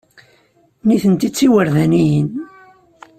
Nitenti d tiwerdaniyin.